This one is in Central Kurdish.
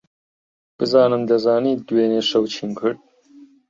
بزانم دەزانیت دوێنێ شەو چیم کرد.